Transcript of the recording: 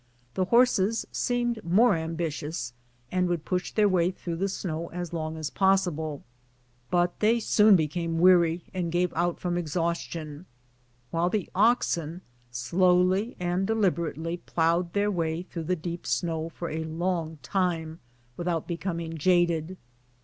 The horses seemed more am bitious, and would push their way through the snow as long as possible; but they soon became weary, and gave out from exhaustion ; while the oxen slowly and deliberate ly plowed their way through the deep snow for a long time without becoming jaded.